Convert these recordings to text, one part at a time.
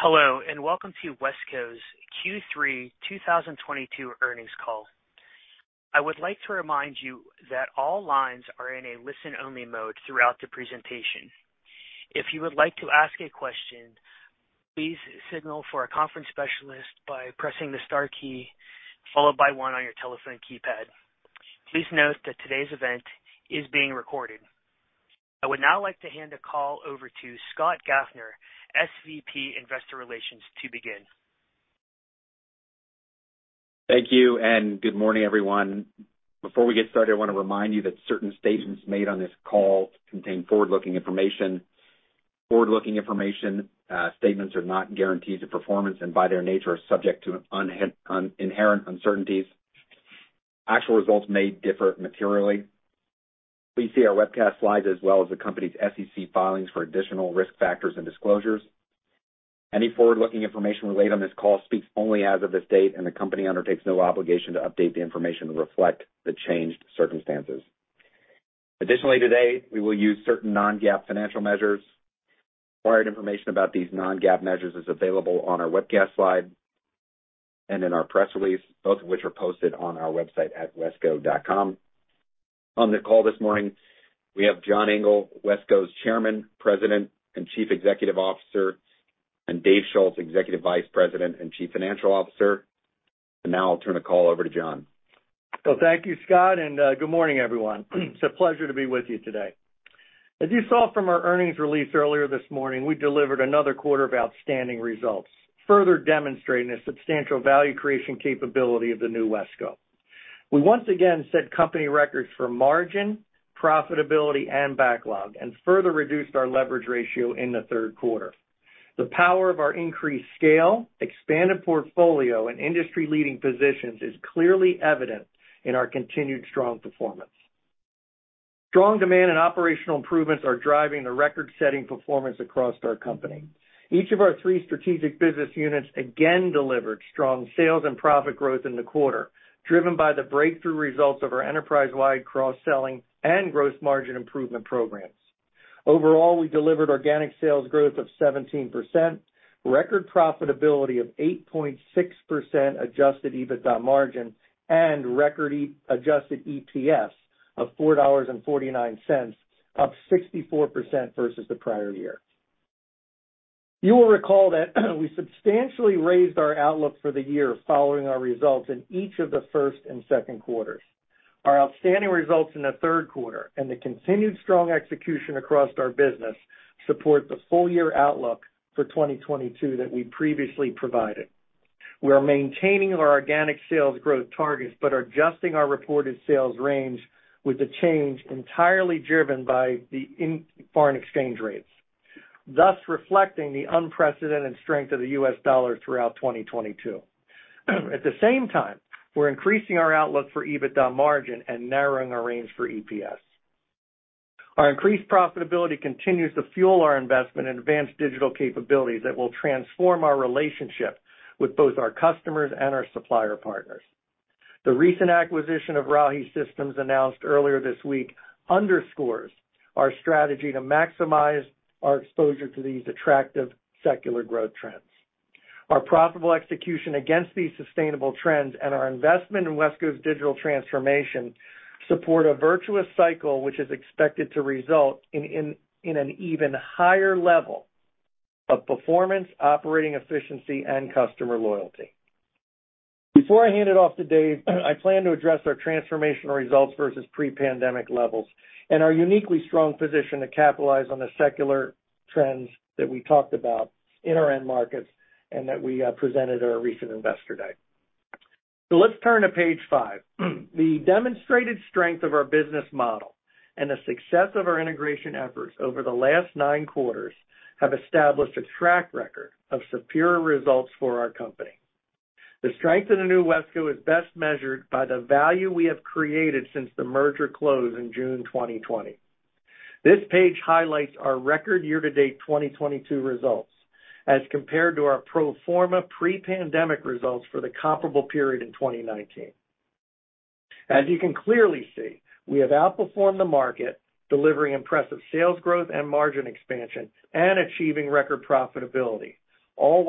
Hello, and welcome to WESCO's Q3 2022 earnings call. I would like to remind you that all lines are in a listen-only mode throughout the presentation. If you would like to ask a question, please signal for a conference specialist by pressing the star key followed by one on your telephone keypad. Please note that today's event is being recorded. I would now like to hand the call over to Scott Gaffner, SVP, Investor Relations, to begin. Thank you, and good morning, everyone. Before we get started, I wanna remind you that certain statements made on this call contain forward-looking information. Forward-looking information, statements are not guarantees of performance and by their nature are subject to inherent uncertainties. Actual results may differ materially. Please see our webcast slides as well as the company's SEC filings for additional risk factors and disclosures. Any forward-looking information relayed on this call speaks only as of this date, and the company undertakes no obligation to update the information to reflect the changed circumstances. Additionally, today, we will use certain non-GAAP financial measures. Required information about these non-GAAP measures is available on our webcast slide and in our press release, both of which are posted on our website at wesco.com. On the call this morning, we have John Engel, WESCO's Chairman, President, and Chief Executive Officer, and Dave Schulz, Executive Vice President and Chief Financial Officer. Now I'll turn the call over to John. Well, thank you, Scott, and good morning, everyone. It's a pleasure to be with you today. As you saw from our earnings release earlier this morning, we delivered another quarter of outstanding results, further demonstrating the substantial value creation capability of the new WESCO. We once again set company records for margin, profitability, and backlog, and further reduced our leverage ratio in the third quarter. The power of our increased scale, expanded portfolio, and industry-leading positions is clearly evident in our continued strong performance. Strong demand and operational improvements are driving the record-setting performance across our company. Each of our three strategic business units again delivered strong sales and profit growth in the quarter, driven by the breakthrough results of our enterprise-wide cross-selling and gross margin improvement programs. Overall, we delivered organic sales growth of 17%, record profitability of 8.6% adjusted EBITDA margin, and record adjusted EPS of $4.49, up 64% versus the prior year. You will recall that we substantially raised our outlook for the year following our results in each of the first and second quarters. Our outstanding results in the third quarter and the continued strong execution across our business support the full-year outlook for 2022 that we previously provided. We are maintaining our organic sales growth targets, but are adjusting our reported sales range with the change entirely driven by foreign exchange rates, thus reflecting the unprecedented strength of the US dollar throughout 2022. At the same time, we're increasing our outlook for EBITDA margin and narrowing our range for EPS. Our increased profitability continues to fuel our investment in advanced digital capabilities that will transform our relationship with both our customers and our supplier partners. The recent acquisition of Rahi Systems announced earlier this week underscores our strategy to maximize our exposure to these attractive secular growth trends. Our profitable execution against these sustainable trends and our investment in WESCO's digital transformation support a virtuous cycle which is expected to result in an even higher level of performance, operating efficiency, and customer loyalty. Before I hand it off to Dave, I plan to address our transformational results versus pre-pandemic levels and our uniquely strong position to capitalize on the secular trends that we talked about in our end markets and that we presented at our recent Investor Day. Let's turn to page 5. The demonstrated strength of our business model and the success of our integration efforts over the last nine quarters have established a track record of superior results for our company. The strength in the new WESCO is best measured by the value we have created since the merger close in June 2020. This page highlights our record year-to-date 2022 results as compared to our pro forma pre-pandemic results for the comparable period in 2019. As you can clearly see, we have outperformed the market, delivering impressive sales growth and margin expansion and achieving record profitability, all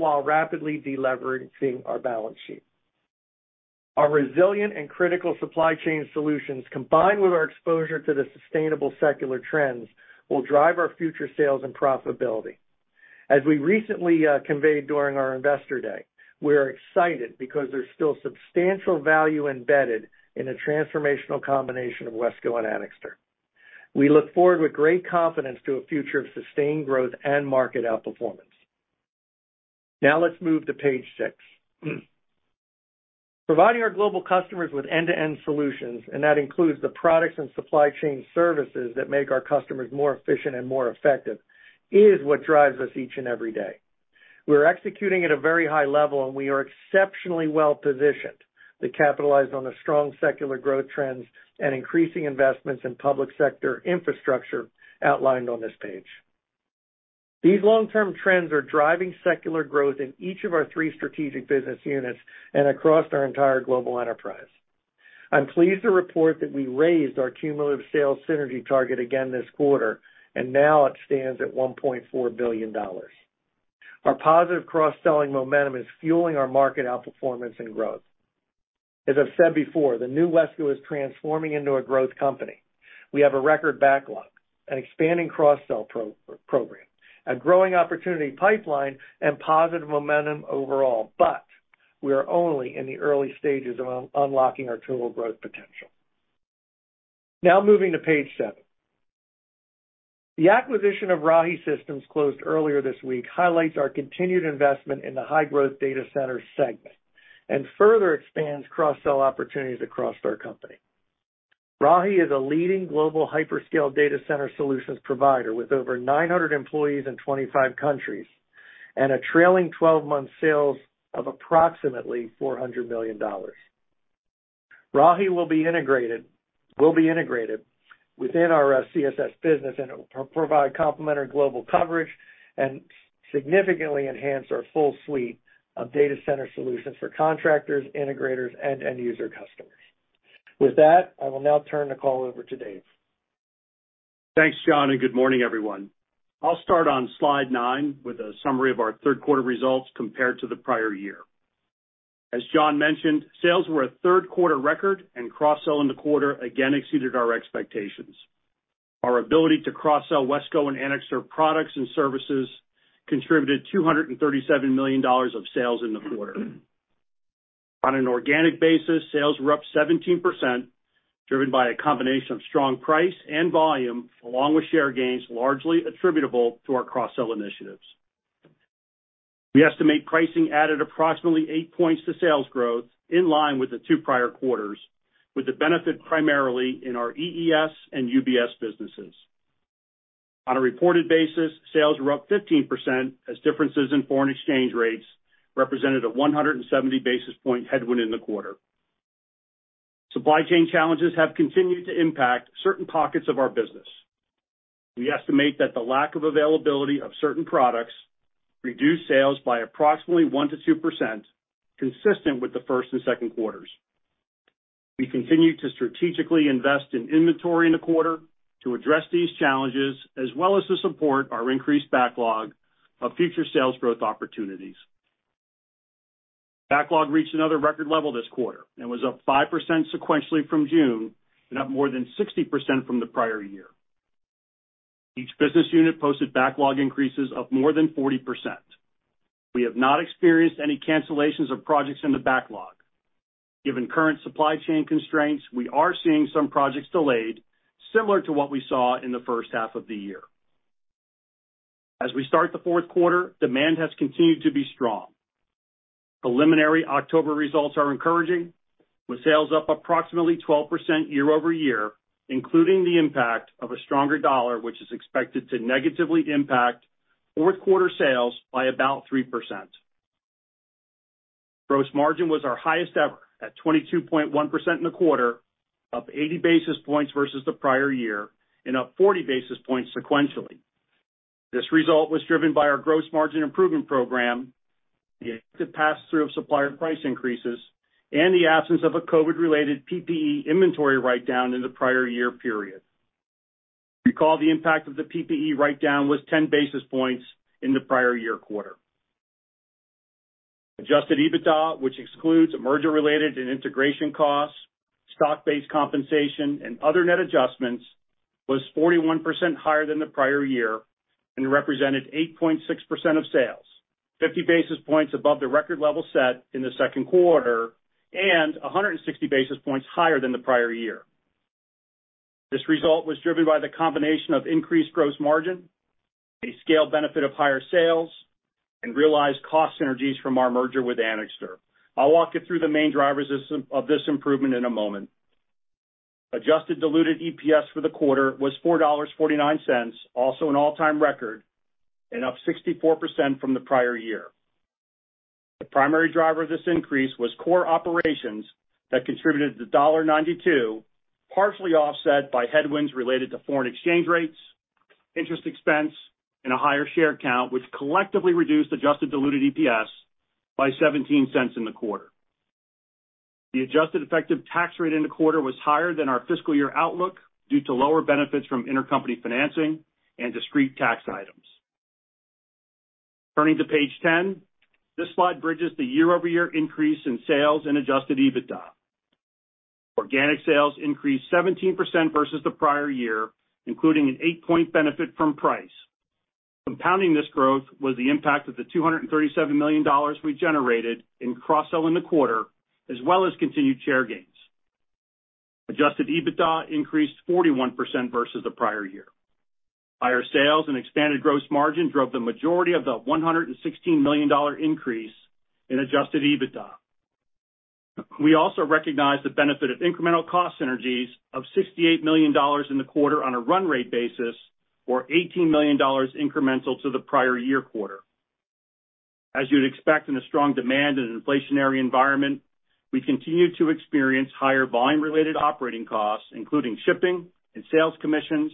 while rapidly de-leveraging our balance sheet. Our resilient and critical supply chain solutions, combined with our exposure to the sustainable secular trends, will drive our future sales and profitability. As we recently conveyed during our Investor Day, we are excited because there's still substantial value embedded in the transformational combination of WESCO and Anixter. We look forward with great confidence to a future of sustained growth and market outperformance. Now let's move to page 6. Providing our global customers with end-to-end solutions, and that includes the products and supply chain services that make our customers more efficient and more effective, is what drives us each and every day. We're executing at a very high level, and we are exceptionally well-positioned to capitalize on the strong secular growth trends and increasing investments in public sector infrastructure outlined on this page. These long-term trends are driving secular growth in each of our three strategic business units and across our entire global enterprise. I'm pleased to report that we raised our cumulative sales synergy target again this quarter, and now it stands at $1.4 billion. Our positive cross-selling momentum is fueling our market outperformance and growth. As I've said before, the new WESCO is transforming into a growth company. We have a record backlog, an expanding cross-sell program, a growing opportunity pipeline, and positive momentum overall, but we are only in the early stages of unlocking our total growth potential. Now moving to page 7. The acquisition of Rahi Systems, closed earlier this week, highlights our continued investment in the high-growth data center segment and further expands cross-sell opportunities across our company. Rahi is a leading global hyperscale data center solutions provider with over 900 employees in 25 countries and a trailing 12-month sales of approximately $400 million. Rahi will be integrated within our CSS business, and it will provide complementary global coverage and significantly enhance our full suite of data center solutions for contractors, integrators, and end user customers. With that, I will now turn the call over to Dave. Thanks, John, and good morning, everyone. I'll start on Slide 9 with a summary of our third quarter results compared to the prior year. As John mentioned, sales were a third-quarter record, and cross-sell in the quarter again exceeded our expectations. Our ability to cross-sell WESCO and Anixter products and services contributed $237 million of sales in the quarter. On an organic basis, sales were up 17%, driven by a combination of strong price and volume, along with share gains largely attributable to our cross-sell initiatives. We estimate pricing added approximately eight points to sales growth, in line with the two prior quarters, with the benefit primarily in our EES and UBS businesses. On a reported basis, sales were up 15% as differences in foreign exchange rates represented a 170 basis point headwind in the quarter. Supply chain challenges have continued to impact certain pockets of our business. We estimate that the lack of availability of certain products reduced sales by approximately 1%-2%, consistent with the first and second quarters. We continued to strategically invest in inventory in the quarter to address these challenges as well as to support our increased backlog of future sales growth opportunities. Backlog reached another record level this quarter and was up 5% sequentially from June and up more than 60% from the prior year. Each business unit posted backlog increases of more than 40%. We have not experienced any cancellations of projects in the backlog. Given current supply chain constraints, we are seeing some projects delayed, similar to what we saw in the first half of the year. As we start the fourth quarter, demand has continued to be strong. Preliminary October results are encouraging, with sales up approximately 12% year-over-year, including the impact of a stronger dollar, which is expected to negatively impact fourth quarter sales by about 3%. Gross margin was our highest ever at 22.1% in the quarter, up 80 basis points versus the prior year and up 40 basis points sequentially. This result was driven by our gross margin improvement program, the pass-through of supplier price increases, and the absence of a COVID-related PPE inventory write-down in the prior year period. Recall the impact of the PPE write-down was 10 basis points in the prior year quarter. Adjusted EBITDA, which excludes merger-related and integration costs, stock-based compensation, and other net adjustments, was 41% higher than the prior year and represented 8.6% of sales, 50 basis points above the record level set in the second quarter and 160 basis points higher than the prior year. This result was driven by the combination of increased gross margin, a scaled benefit of higher sales, and realized cost synergies from our merger with Anixter. I'll walk you through the main drivers of this improvement in a moment. Adjusted diluted EPS for the quarter was $4.49, also an all-time record, and up 64% from the prior year. The primary driver of this increase was core operations that contributed to $0.92, partially offset by headwinds related to foreign exchange rates, interest expense, and a higher share count, which collectively reduced adjusted diluted EPS by $0.17 in the quarter. The adjusted effective tax rate in the quarter was higher than our fiscal year outlook due to lower benefits from intercompany financing and discrete tax items. Turning to page 10. This slide bridges the year-over-year increase in sales and adjusted EBITDA. Organic sales increased 17% versus the prior year, including an eight-point benefit from price. Compounding this growth was the impact of the $237 million we generated in cross-sell in the quarter, as well as continued share gains. Adjusted EBITDA increased 41% versus the prior year. Higher sales and expanded gross margin drove the majority of the $116 million increase in adjusted EBITDA. We also recognized the benefit of incremental cost synergies of $68 million in the quarter on a run rate basis, or $18 million incremental to the prior year quarter. As you'd expect in a strong demand and an inflationary environment, we continue to experience higher volume-related operating costs, including shipping and sales commissions,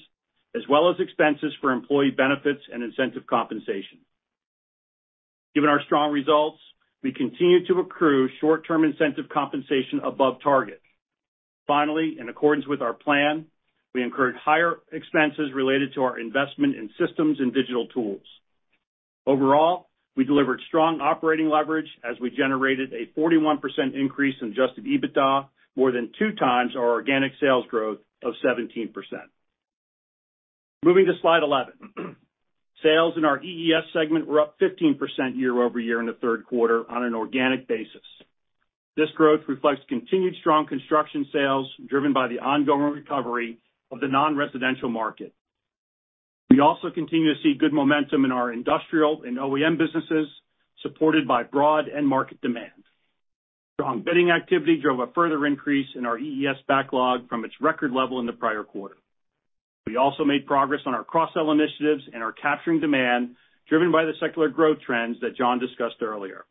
as well as expenses for employee benefits and incentive compensation. Given our strong results, we continue to accrue short-term incentive compensation above target. Finally, in accordance with our plan, we incurred higher expenses related to our investment in systems and digital tools. Overall, we delivered strong operating leverage as we generated a 41% increase in adjusted EBITDA, more than 2x our organic sales growth of 17%. Moving to Slide 11. Sales in our EES segment were up 15% year-over-year in the third quarter on an organic basis. This growth reflects continued strong construction sales, driven by the ongoing recovery of the non-residential market. We also continue to see good momentum in our industrial and OEM businesses, supported by broad end market demand. Strong bidding activity drove a further increase in our EES backlog from its record level in the prior quarter. We also made progress on our cross-sell initiatives and are capturing demand driven by the secular growth trends that John discussed earlier.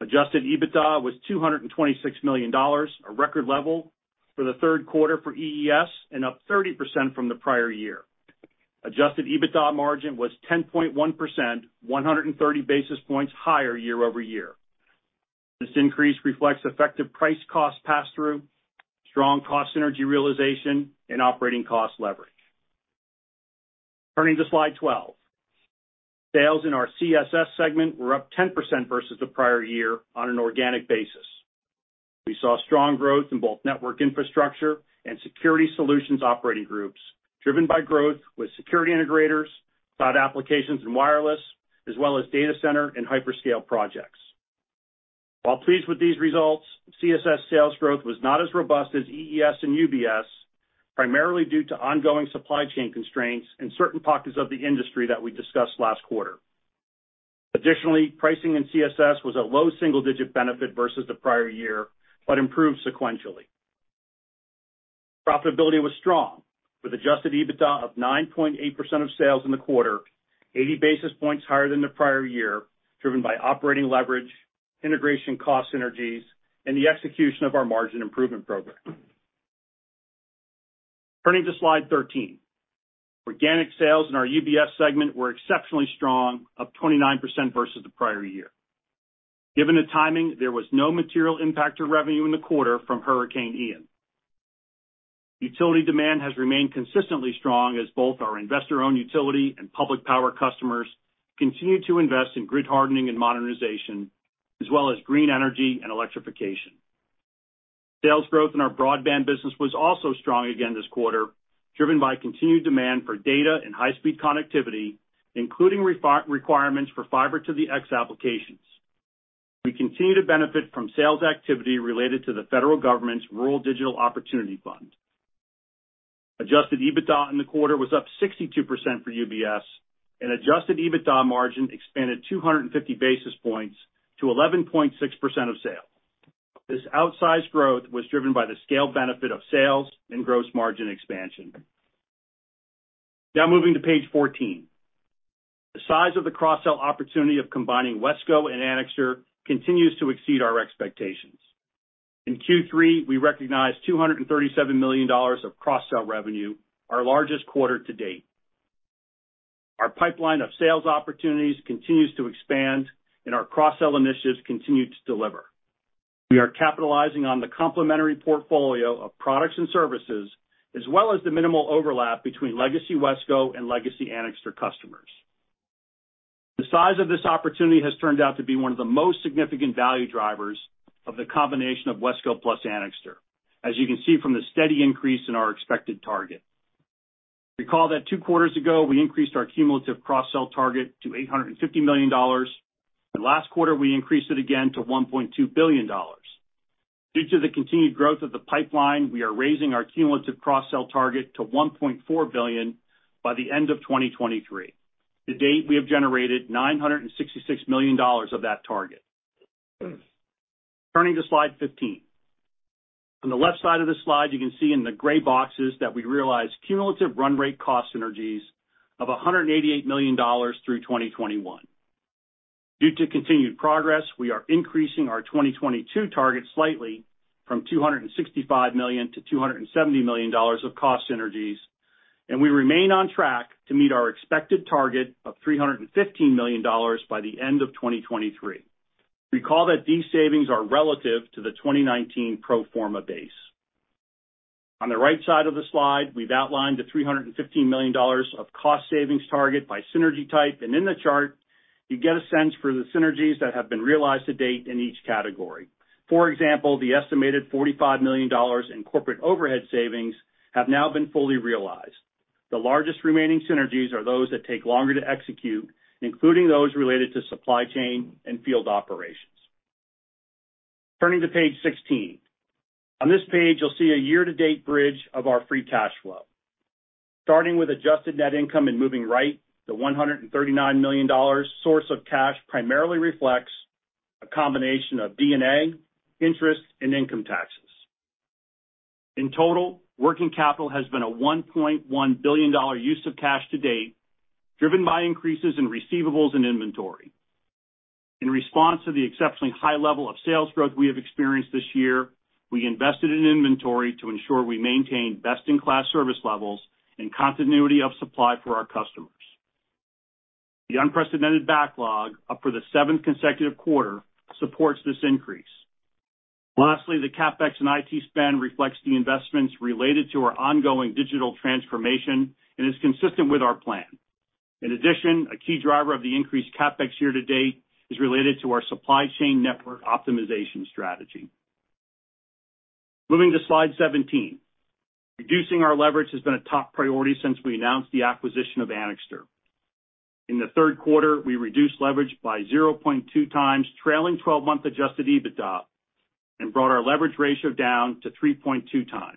Adjusted EBITDA was $226 million, a record level for the third quarter for EES and up 30% from the prior year. Adjusted EBITDA margin was 10.1%, 130 basis points higher year-over-year. This increase reflects effective price cost pass-through, strong cost synergy realization, and operating cost leverage. Turning to Slide 12. Sales in our CSS segment were up 10% versus the prior year on an organic basis. We saw strong growth in both network infrastructure and security solutions operating groups, driven by growth with security integrators, cloud applications, and wireless, as well as data center and hyperscale projects. While pleased with these results, CSS sales growth was not as robust as EES and UBS, primarily due to ongoing supply chain constraints in certain pockets of the industry that we discussed last quarter. Additionally, pricing in CSS was a low single-digit benefit versus the prior year, but improved sequentially. Profitability was strong, with adjusted EBITDA of 9.8% of sales in the quarter, 80 basis points higher than the prior year, driven by operating leverage, integration cost synergies, and the execution of our margin improvement program. Turning to Slide 13. Organic sales in our UBS segment were exceptionally strong, up 29% versus the prior year. Given the timing, there was no material impact to revenue in the quarter from Hurricane Ian. Utility demand has remained consistently strong as both our investor-owned utility and public power customers continue to invest in grid hardening and modernization, as well as green energy and electrification. Sales growth in our broadband business was also strong again this quarter, driven by continued demand for data and high-speed connectivity, including requirements for fiber to the x applications. We continue to benefit from sales activity related to the federal government's Rural Digital Opportunity Fund. Adjusted EBITDA in the quarter was up 62% for UBS, and adjusted EBITDA margin expanded 250 basis points to 11.6% of sales. This outsized growth was driven by the scale benefit of sales and gross margin expansion. Now moving to page 14. The size of the cross-sell opportunity of combining WESCO and Anixter continues to exceed our expectations. In Q3, we recognized $237 million of cross-sell revenue, our largest quarter to date. Our pipeline of sales opportunities continues to expand, and our cross-sell initiatives continue to deliver. We are capitalizing on the complementary portfolio of products and services, as well as the minimal overlap between legacy WESCO and legacy Anixter customers. The size of this opportunity has turned out to be one of the most significant value drivers of the combination of WESCO plus Anixter, as you can see from the steady increase in our expected target. Recall that two quarters ago, we increased our cumulative cross-sell target to $850 million, and last quarter, we increased it again to $1.2 billion. Due to the continued growth of the pipeline, we are raising our cumulative cross-sell target to $1.4 billion by the end of 2023. To date, we have generated $966 million of that target. Turning to Slide 15. On the left side of the slide, you can see in the gray boxes that we realized cumulative run rate cost synergies of $188 million through 2021. Due to continued progress, we are increasing our 2022 target slightly from $265 million-$270 million of cost synergies, and we remain on track to meet our expected target of $315 million by the end of 2023. Recall that these savings are relative to the 2019 pro forma base. On the right side of the slide, we've outlined the $315 million of cost savings target by synergy type, and in the chart, you get a sense for the synergies that have been realized to date in each category. For example, the estimated $45 million in corporate overhead savings have now been fully realized. The largest remaining synergies are those that take longer to execute, including those related to supply chain and field operations. Turning to page 16. On this page, you'll see a year-to-date bridge of our free cash flow. Starting with adjusted net income and moving right, the $139 million source of cash primarily reflects a combination of D&A, interest, and income taxes. In total, working capital has been a $1.1 billion use of cash to date, driven by increases in receivables and inventory. In response to the exceptionally high level of sales growth we have experienced this year, we invested in inventory to ensure we maintain best-in-class service levels and continuity of supply for our customers. The unprecedented backlog, up for the seventh consecutive quarter, supports this increase. Lastly, the CapEx and IT spend reflects the investments related to our ongoing digital transformation and is consistent with our plan. In addition, a key driver of the increased CapEx year-to-date is related to our supply chain network optimization strategy. Moving to Slide 17. Reducing our leverage has been a top priority since we announced the acquisition of Anixter. In the third quarter, we reduced leverage by 0.2x trailing 12-month adjusted EBITDA and brought our leverage ratio down to 3.2x.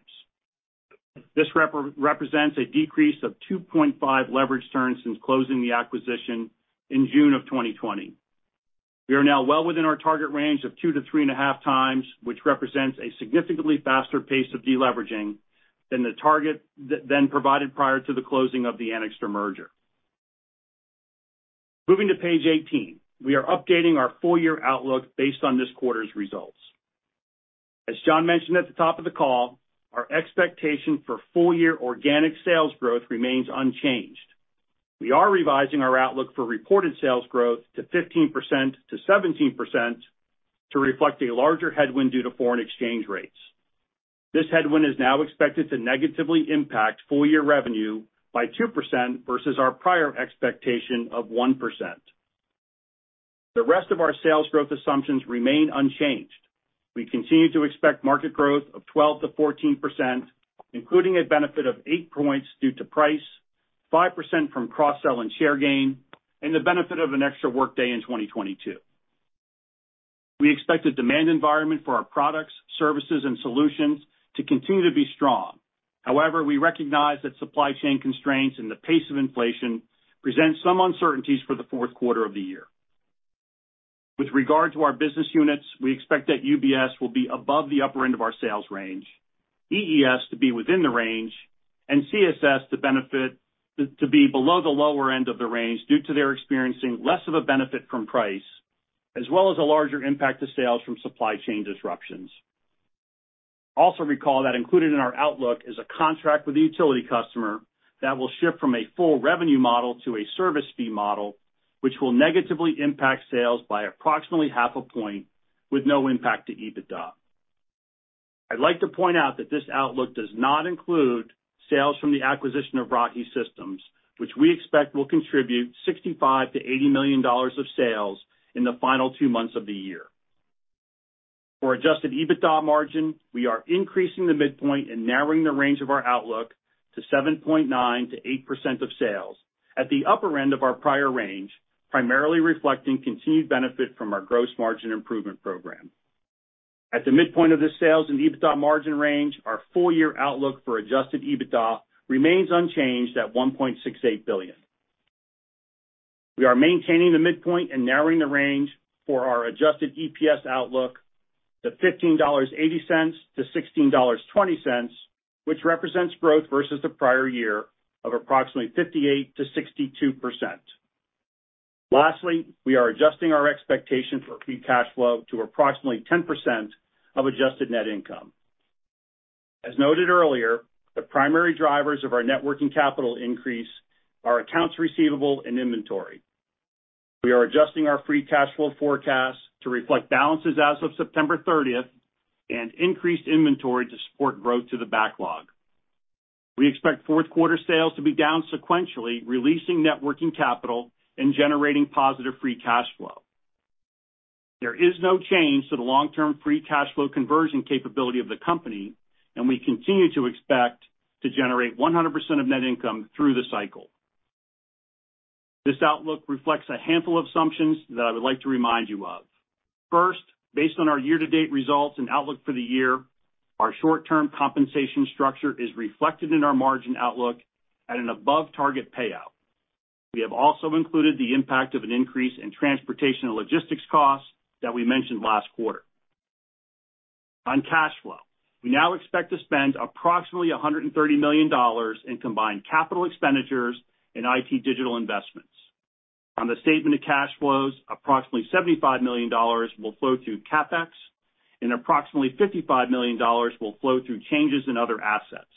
This represents a decrease of 2.5 leverage turns since closing the acquisition in June of 2020. We are now well within our target range of 2-3.5x, which represents a significantly faster pace of deleveraging than the target than provided prior to the closing of the Anixter merger. Moving to page 18. We are updating our full-year outlook based on this quarter's results. As John mentioned at the top of the call, our expectation for full-year organic sales growth remains unchanged. We are revising our outlook for reported sales growth to 15%-17% to reflect a larger headwind due to foreign exchange rates. This headwind is now expected to negatively impact full-year revenue by 2% versus our prior expectation of 1%. The rest of our sales growth assumptions remain unchanged. We continue to expect market growth of 12%-14%, including a benefit of eight points due to price, 5% from cross-sell and share gain, and the benefit of an extra workday in 2022. We expect the demand environment for our products, services, and solutions to continue to be strong. However, we recognize that supply chain constraints and the pace of inflation present some uncertainties for the fourth quarter of the year. With regard to our business units, we expect that UBS will be above the upper end of our sales range, EES to be within the range, and CSS to be below the lower end of the range due to their experiencing less of a benefit from price, as well as a larger impact to sales from supply chain disruptions. Recall that included in our outlook is a contract with a utility customer that will shift from a full revenue model to a service fee model, which will negatively impact sales by approximately half a point with no impact to EBITDA. I'd like to point out that this outlook does not include sales from the acquisition of Rahi Systems, which we expect will contribute $65 million-$80 million of sales in the final two months of the year. For adjusted EBITDA margin, we are increasing the midpoint and narrowing the range of our outlook to 7.9%-8% of sales at the upper end of our prior range, primarily reflecting continued benefit from our gross margin improvement program. At the midpoint of the sales and EBITDA margin range, our full-year outlook for adjusted EBITDA remains unchanged at $1.68 billion. We are maintaining the midpoint and narrowing the range for our adjusted EPS outlook to $15.80-$16.20, which represents growth versus the prior year of approximately 58%-62%. Lastly, we are adjusting our expectation for free cash flow to approximately 10% of adjusted net income. As noted earlier, the primary drivers of our net working capital increase are accounts receivable and inventory. We are adjusting our free cash flow forecast to reflect balances as of September 30 and increased inventory to support growth to the backlog. We expect fourth quarter sales to be down sequentially, releasing working capital and generating positive free cash flow. There is no change to the long-term free cash flow conversion capability of the company, and we continue to expect to generate 100% of net income through the cycle. This outlook reflects a handful of assumptions that I would like to remind you of. First, based on our year-to-date results and outlook for the year, our short-term compensation structure is reflected in our margin outlook at an above target payout. We have also included the impact of an increase in transportation and logistics costs that we mentioned last quarter. On cash flow, we now expect to spend approximately $130 million in combined capital expenditures and IT digital investments. On the statement of cash flows, approximately $75 million will flow through CapEx and approximately $55 million will flow through changes in other assets.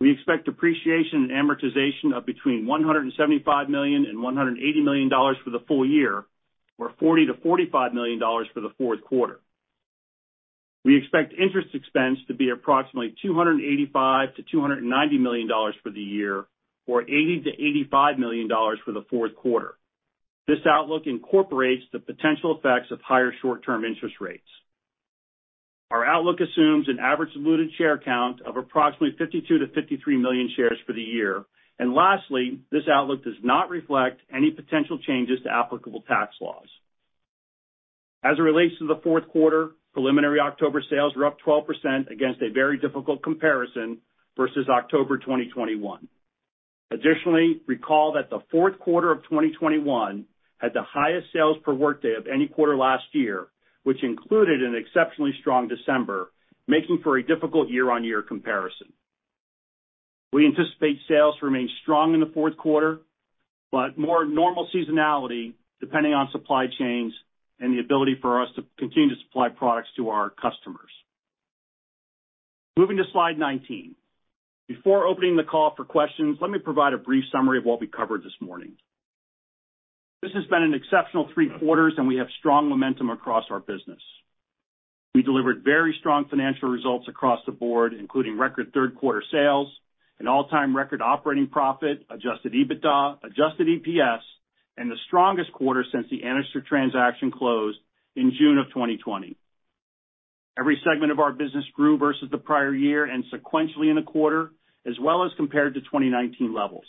We expect depreciation and amortization of between $175 million and $180 million for the full year or $40 million-$45 million for the fourth quarter. We expect interest expense to be approximately $285 million-$290 million for the year or $80 million-$85 million for the fourth quarter. This outlook incorporates the potential effects of higher short-term interest rates. Our outlook assumes an average diluted share count of approximately 52 million-53 million shares for the year. Lastly, this outlook does not reflect any potential changes to applicable tax laws. As it relates to the fourth quarter, preliminary October sales were up 12% against a very difficult comparison versus October 2021. Additionally, recall that the fourth quarter of 2021 had the highest sales per workday of any quarter last year, which included an exceptionally strong December, making for a difficult year-on-year comparison. We anticipate sales to remain strong in the fourth quarter, but more normal seasonality depending on supply chains and the ability for us to continue to supply products to our customers. Moving to Slide 19. Before opening the call for questions, let me provide a brief summary of what we covered this morning. This has been an exceptional three quarters, and we have strong momentum across our business. We delivered very strong financial results across the board, including record third quarter sales, an all-time record operating profit, adjusted EBITDA, adjusted EPS, and the strongest quarter since the Anixter transaction closed in June of 2020. Every segment of our business grew versus the prior year and sequentially in the quarter, as well as compared to 2019 levels.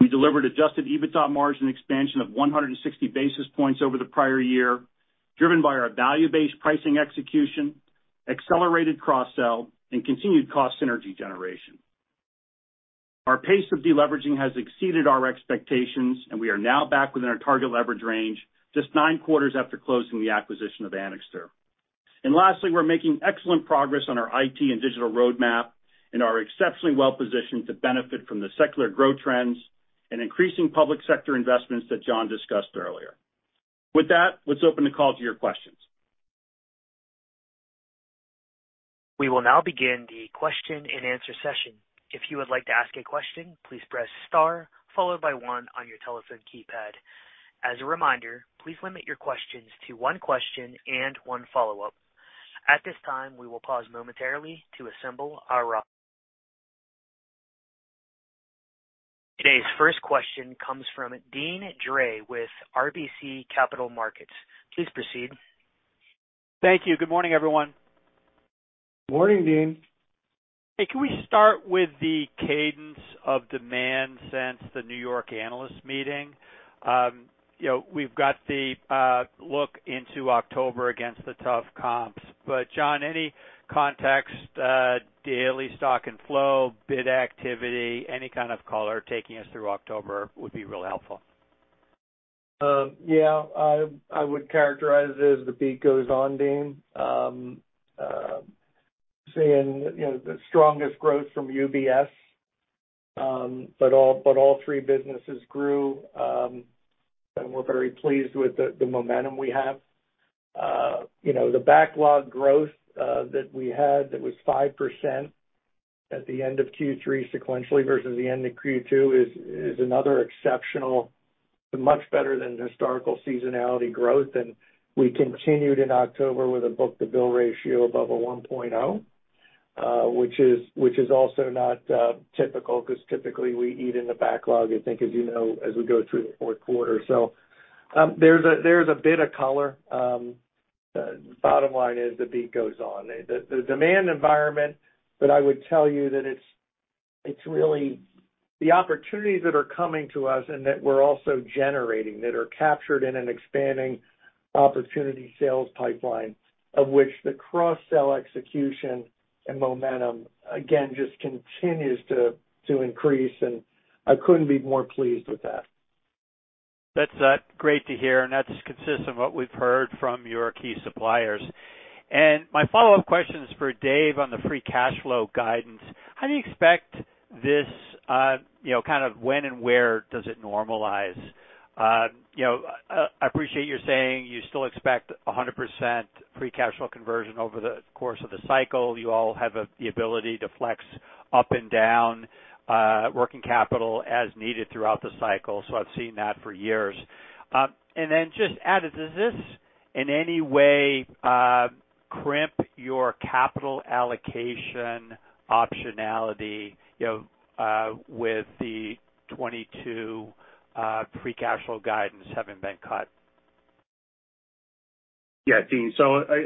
We delivered adjusted EBITDA margin expansion of 160 basis points over the prior year, driven by our value-based pricing execution, accelerated cross-sell, and continued cost synergy generation. Our pace of deleveraging has exceeded our expectations, and we are now back within our target leverage range just nine quarters after closing the acquisition of Anixter. Lastly, we're making excellent progress on our IT and digital roadmap and are exceptionally well positioned to benefit from the secular growth trends and increasing public sector investments that John discussed earlier. With that, let's open the call to your questions. We will now begin the question-and-answer session. If you would like to ask a question, please press star followed by one on your telephone keypad. As a reminder, please limit your questions to one question and one follow-up. At this time, we will pause momentarily. Today's first question comes from Deane Dray with RBC Capital Markets. Please proceed. Thank you. Good morning, everyone. Morning, Deane. Hey, can we start with the cadence of demand since the New York analyst meeting? You know, we've got the look into October against the tough comps. John, any context, daily stock and flow, bid activity, any kind of color taking us through October would be real helpful. Yeah. I would characterize it as the beat goes on, Deane. Seeing, you know, the strongest growth from UBS, but all three businesses grew, and we're very pleased with the momentum we have. You know, the backlog growth that we had that was 5% at the end of Q3 sequentially versus the end of Q2 is another exceptional, much better than historical seasonality growth. We continued in October with a book-to-bill ratio above 1.0, which is also not typical because typically we eat into the backlog, I think, as you know, as we go through the fourth quarter. There's a bit of color. The bottom line is the beat goes on. The demand environment that I would tell you that it's really the opportunities that are coming to us and that we're also generating that are captured in an expanding opportunity sales pipeline of which the cross-sell execution and momentum again just continues to increase, and I couldn't be more pleased with that. That's great to hear, and that's consistent with what we've heard from your key suppliers. My follow-up question is for Dave on the free cash flow guidance. How do you expect this, you know, kind of when and where does it normalize? You know, I appreciate you saying you still expect 100% free cash flow conversion over the course of the cycle. You all have the ability to flex up and down working capital as needed throughout the cycle. I've seen that for years. Just added, does this in any way crimp your capital allocation optionality, you know, with the 2022 free cash flow guidance having been cut? Yeah, Deane.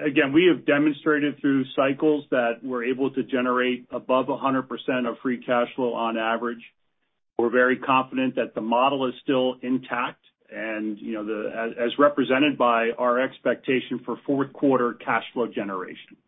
Again, we have demonstrated through cycles that we're able to generate above 100% of free cash flow on average. We're very confident that the model is still intact and, you know, as represented by our expectation for fourth quarter cash flow generation.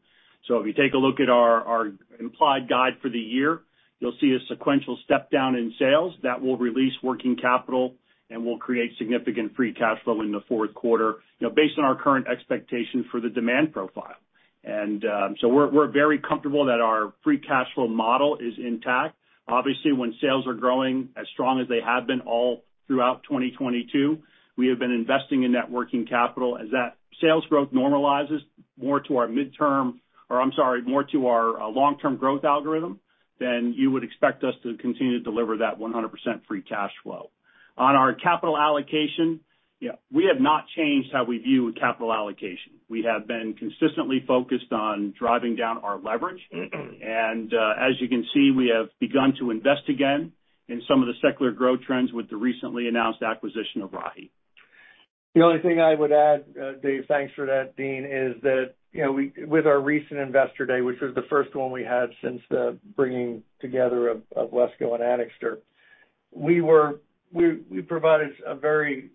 If you take a look at our implied guide for the year, you'll see a sequential step down in sales that will release working capital and will create significant free cash flow in the fourth quarter, you know, based on our current expectation for the demand profile. We're very comfortable that our free cash flow model is intact. Obviously, when sales are growing as strong as they have been all throughout 2022, we have been investing in net working capital. As that sales growth normalizes more to our midterm, or I'm sorry, more to our long-term growth algorithm, then you would expect us to continue to deliver that 100% free cash flow. On our capital allocation, yeah, we have not changed how we view capital allocation. We have been consistently focused on driving down our leverage. As you can see, we have begun to invest again in some of the secular growth trends with the recently announced acquisition of Rahi. The only thing I would add, David, thanks for that, Deane, is that, you know, with our recent Investor Day, which was the first one we had since the bringing together of WESCO and Anixter, we provided a very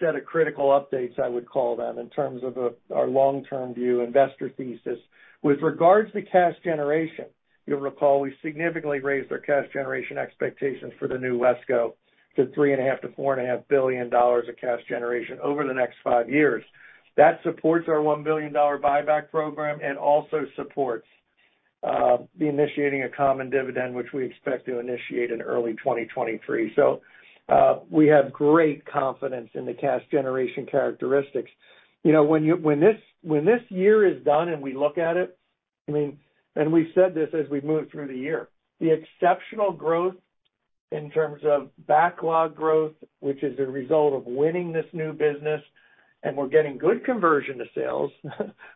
set of critical updates, I would call them, in terms of our long-term view investor thesis. With regards to cash generation, you'll recall we significantly raised our cash generation expectations for the new WESCO to $3.5 billion-$4.5 billion of cash generation over the next five years. That supports our $1 billion buyback program and also supports initiating a common dividend, which we expect to initiate in early 2023. We have great confidence in the cash generation characteristics. You know, when this year is done and we look at it, I mean, we said this as we moved through the year, the exceptional growth in terms of backlog growth, which is a result of winning this new business, and we're getting good conversion to sales,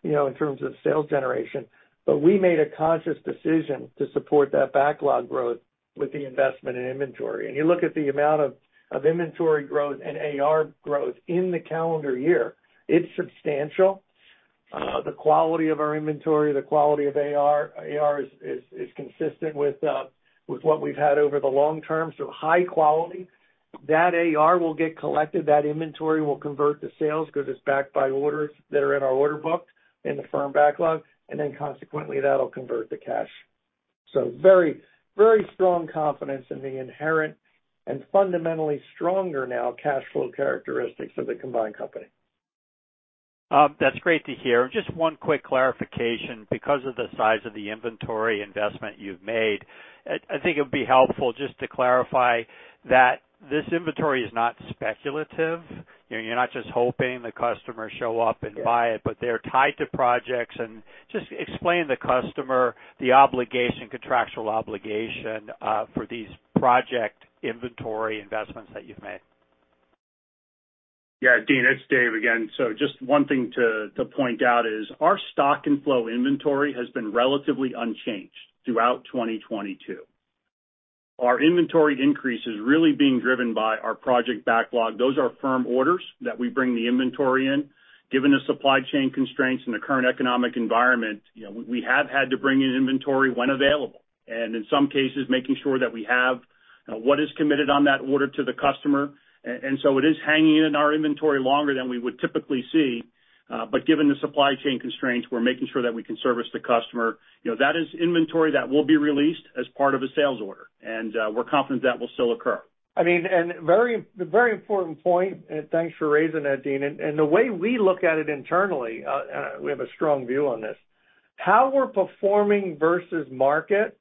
you know, in terms of sales generation. We made a conscious decision to support that backlog growth with the investment in inventory. You look at the amount of inventory growth and AR growth in the calendar year, it's substantial. The quality of our inventory, the quality of AR is consistent with what we've had over the long term, so high quality. That AR will get collected, that inventory will convert to sales 'cause it's backed by orders that are in our order book, in the firm backlog, and then consequently that'll convert to cash. Very, very strong confidence in the inherent and fundamentally stronger now cash flow characteristics of the combined company. That's great to hear. Just one quick clarification. Because of the size of the inventory investment you've made, I think it would be helpful just to clarify that this inventory is not speculative. You know, you're not just hoping the customers show up and buy it. Yeah. They're tied to projects. Just explain to the customer the obligation, contractual obligation, for these project inventory investments that you've made. Yeah, Deane, it's Dave again. Just one thing to point out is our stock and flow inventory has been relatively unchanged throughout 2022. Our inventory increase is really being driven by our project backlog. Those are firm orders that we bring the inventory in. Given the supply chain constraints in the current economic environment, you know, we have had to bring in inventory when available, and in some cases, making sure that we have what is committed on that order to the customer. And so it is hanging in our inventory longer than we would typically see. Given the supply chain constraints, we're making sure that we can service the customer. You know, that is inventory that will be released as part of a sales order, and we're confident that will still occur. I mean, very, very important point, and thanks for raising that, Deane. The way we look at it internally, we have a strong view on this. How we're performing versus market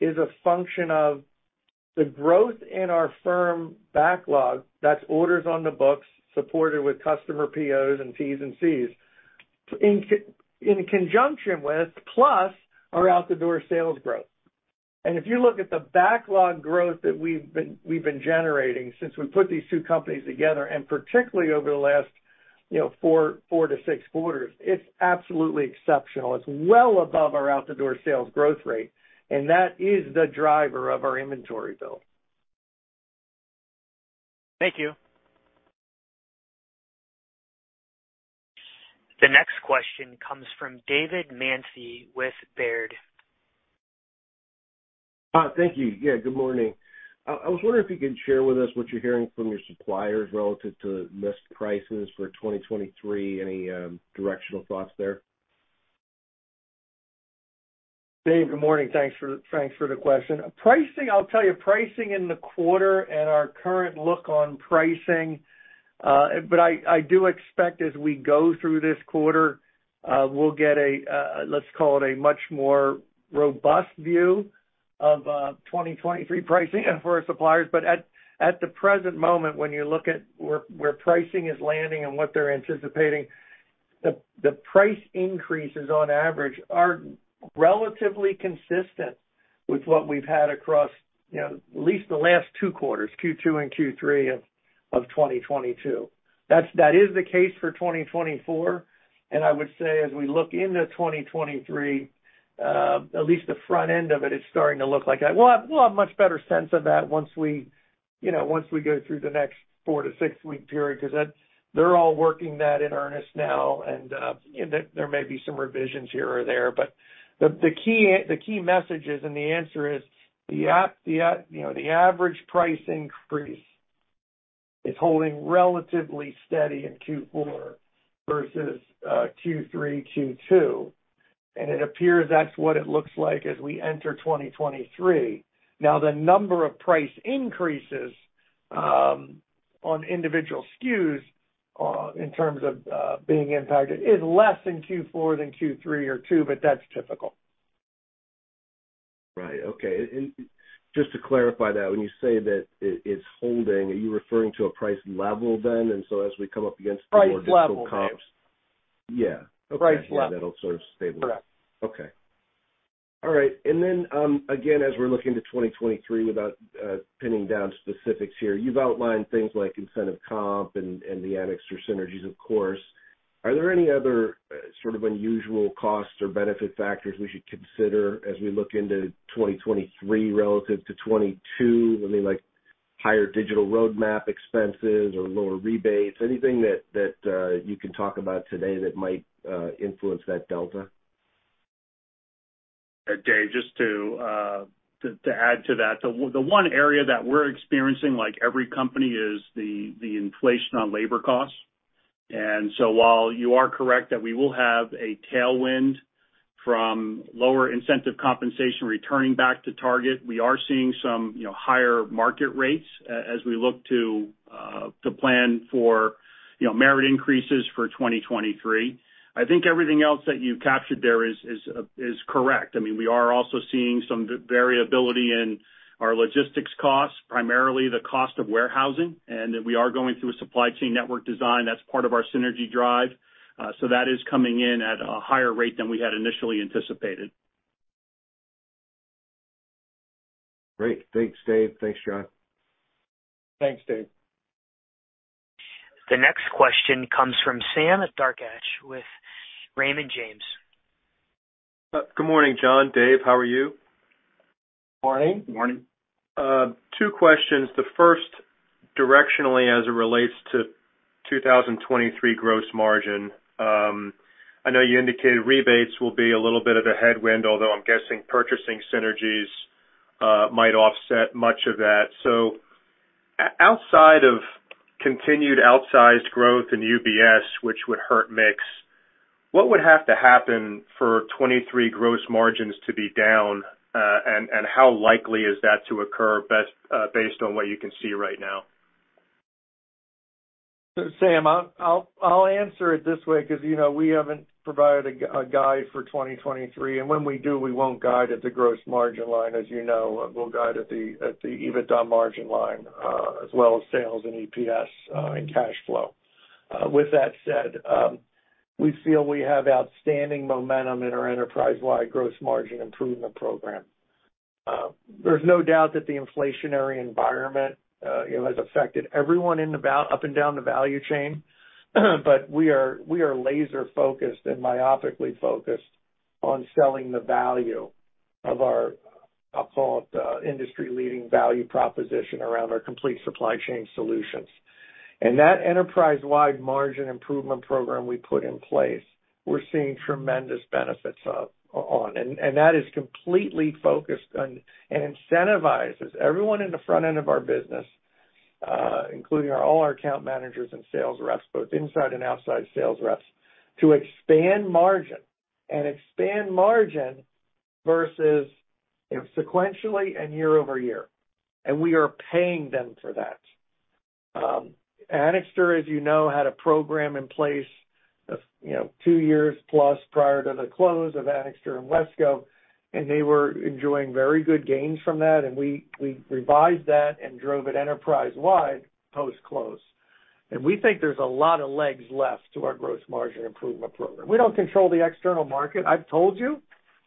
is a function of the growth in our firm backlog. That's orders on the books supported with customer POs and Ts and Cs. In conjunction with, plus our out the door sales growth. If you look at the backlog growth that we've been generating since we put these two companies together, and particularly over the last, you know, 4-6 quarters, it's absolutely exceptional. It's well above our out the door sales growth rate, and that is the driver of our inventory build. Thank you. The next question comes from David Manthey with Baird. Thank you. Yeah, good morning. I was wondering if you could share with us what you're hearing from your suppliers relative to list prices for 2023. Any directional thoughts there? Dave, good morning. Thanks for the question. Pricing, I'll tell you, pricing in the quarter and our current look on pricing, but I do expect as we go through this quarter, we'll get a let's call it a much more robust view of 2023 pricing for our suppliers. But at the present moment, when you look at where pricing is landing and what they're anticipating, the price increases on average are relatively consistent with what we've had across, you know, at least the last two quarters, Q2 and Q3 of 2022. That is the case for 2024. I would say as we look into 2023, at least the front end of it is starting to look like that. We'll have a much better sense of that once we go through the next 4- to 6-week period because that's they're all working that in earnest now. There may be some revisions here or there. The key message is, and the answer is, the average price increase is holding relatively steady in Q4 versus Q3, Q2, and it appears that's what it looks like as we enter 2023. Now, the number of price increases on individual SKUs in terms of being impacted is less in Q4 than Q3 or Q2, but that's typical. Right. Okay. Just to clarify that, when you say that it's holding, are you referring to a price level then? As we come up against more digital comps. Price level, Dave. Yeah. Okay. Price level. That'll sort of stabilize. Correct. Okay. All right. Again, as we're looking to 2023 without pinning down specifics here. You've outlined things like incentive comp and the Anixter synergies, of course. Are there any other sort of unusual costs or benefit factors we should consider as we look into 2023 relative to 2022? Maybe like higher digital roadmap expenses or lower rebates? Anything that you can talk about today that might influence that delta? Dave, just to add to that. The one area that we're experiencing like every company is the inflation on labor costs. While you are correct that we will have a tailwind from lower incentive compensation returning back to target, we are seeing some, you know, higher market rates as we look to plan for, you know, merit increases for 2023. I think everything else that you captured there is correct. I mean, we are also seeing some variability in our logistics costs, primarily the cost of warehousing, and that we are going through a supply chain network design that's part of our synergy drive. So that is coming in at a higher rate than we had initially anticipated. Great. Thanks, Dave. Thanks, John. Thanks, Dave. The next question comes from Sam Darkatsh with Raymond James. Good morning, John, Dave, how are you? Morning. Morning. Two questions. The first, directionally as it relates to 2023 gross margin. I know you indicated rebates will be a little bit of a headwind, although I'm guessing purchasing synergies might offset much of that. Outside of continued outsized growth in UBS, which would hurt mix, what would have to happen for 2023 gross margins to be down? And how likely is that to occur, based on what you can see right now? Sam, I'll answer it this way because, you know, we haven't provided a guidance for 2023, and when we do, we won't guide at the gross margin line. As you know, we'll guide at the EBITDA margin line, as well as sales and EPS, and cash flow. With that said, we feel we have outstanding momentum in our enterprise-wide gross margin improvement program. There's no doubt that the inflationary environment has affected everyone in the value chain. We are laser-focused and myopically focused on selling the value of our, I'll call it, industry-leading value proposition around our complete supply chain solutions. That enterprise-wide margin improvement program we put in place, we're seeing tremendous benefits on. That is completely focused on and incentivizes everyone in the front end of our business, including all our account managers and sales reps, both inside and outside sales reps, to expand margin versus sequentially and year-over-year. We are paying them for that. Anixter, as you know, had a program in place of, you know, two years plus prior to the close of Anixter and WESCO, and they were enjoying very good gains from that, and we revised that and drove it enterprise-wide post-close. We think there's a lot of legs left to our gross margin improvement program. We don't control the external market. I've told you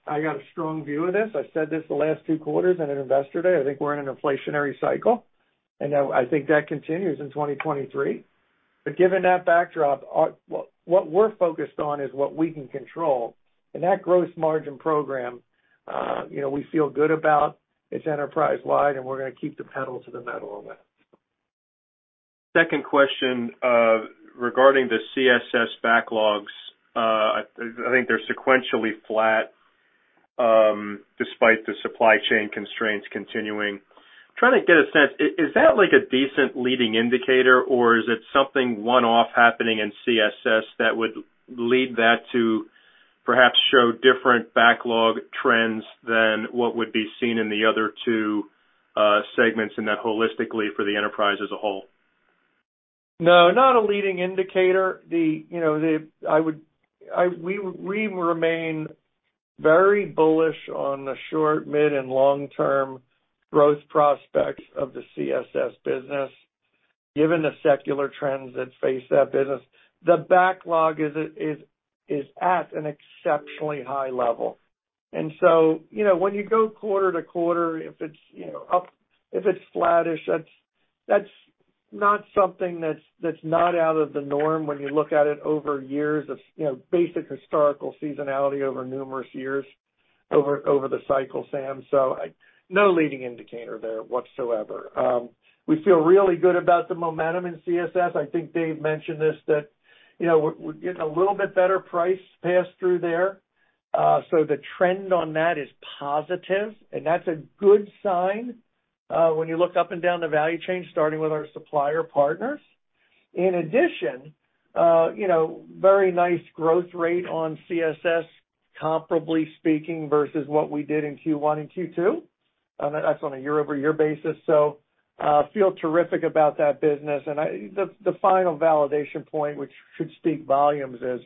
I got a strong view of this. I said this the last two quarters in an Investor Day. I think we're in an inflationary cycle, and I think that continues in 2023. Given that backdrop, what we're focused on is what we can control. That gross margin program, you know, we feel good about. It's enterprise-wide, and we're gonna keep the pedal to the metal on that. Second question, regarding the CSS backlogs. I think they're sequentially flat, despite the supply chain constraints continuing. Trying to get a sense, is that like a decent leading indicator, or is it something one-off happening in CSS that would lead that to perhaps show different backlog trends than what would be seen in the other two segments and then holistically for the enterprise as a whole? No, not a leading indicator. We remain very bullish on the short, mid, and long-term growth prospects of the CSS business, given the secular trends that face that business. The backlog is at an exceptionally high level. You know, when you go quarter-to-quarter, if it's, you know, up, if it's flattish, that's not something that's not out of the norm when you look at it over years of, you know, basic historical seasonality over numerous years over the cycle, Sam. No leading indicator there whatsoever. We feel really good about the momentum in CSS. I think Dave mentioned this, that you know we're getting a little bit better price pass-through there. The trend on that is positive, and that's a good sign when you look up and down the value chain, starting with our supplier partners. In addition, you know, very nice growth rate on CSS, comparably speaking, versus what we did in Q1 and Q2. That's on a year-over-year basis. Feel terrific about that business. The final validation point, which should speak volumes, is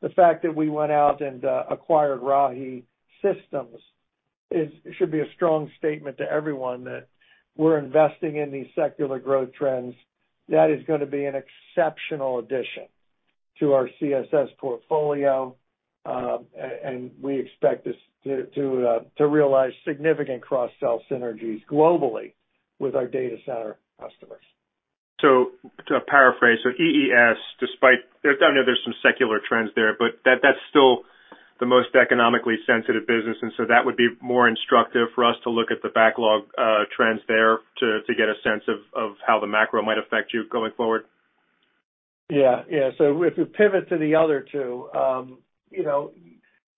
the fact that we went out and acquired Rahi Systems should be a strong statement to everyone that we're investing in these secular growth trends. That is gonna be an exceptional addition to our CSS portfolio, and we expect this to realize significant cross-sell synergies globally with our data center customers. To paraphrase. EES, despite, I know there's some secular trends there, but that's still the most economically sensitive business, and that would be more instructive for us to look at the backlog trends there to get a sense of how the macro might affect you going forward. Yeah. If you pivot to the other two, you know,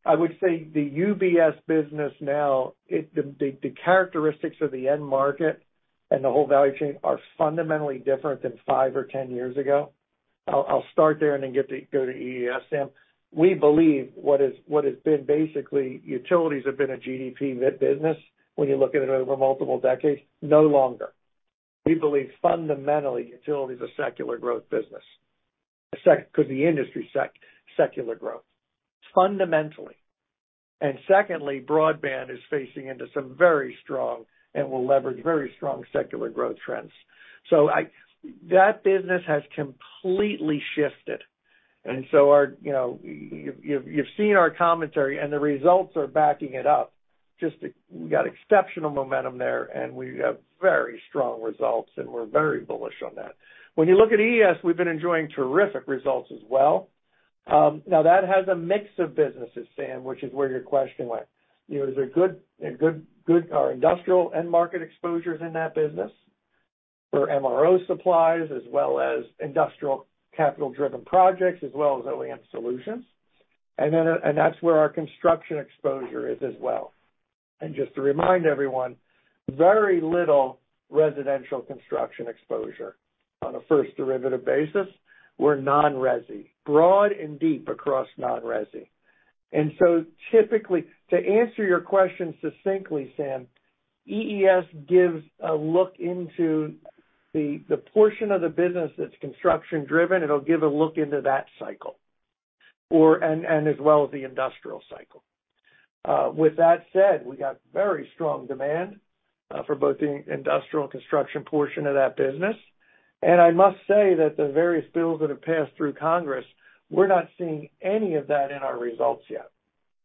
I would say the UBS business now, the characteristics of the end market and the whole value chain are fundamentally different than five or 10 years ago. I'll start there and then go to EES, Sam. We believe what has been basically utilities have been a GDP-tied business when you look at it over multiple decades, no longer. We believe fundamentally, utility is a secular growth business. Could be industry secular growth, fundamentally. Secondly, broadband is tied into some very strong and will leverage very strong secular growth trends. That business has completely shifted. Our, you know, you've seen our commentary and the results are backing it up. We got exceptional momentum there, and we have very strong results, and we're very bullish on that. When you look at EES, we've been enjoying terrific results as well. Now that has a mix of businesses, Sam, which is where your question went. You know, there are good or industrial end market exposures in that business for MRO supplies as well as industrial capital-driven projects as well as OEM solutions. That's where our construction exposure is as well. Just to remind everyone, very little residential construction exposure on a first derivative basis. We're non-resi, broad and deep across non-resi. Typically, to answer your question succinctly, Sam, EES gives a look into the portion of the business that's construction driven. It'll give a look into that cycle as well as the industrial cycle. With that said, we got very strong demand for both the industrial construction portion of that business. I must say that the various bills that have passed through Congress. We're not seeing any of that in our results yet.